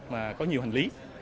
mà có nhiều hành lý